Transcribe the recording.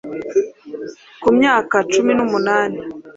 Ku myaka cumi nu munani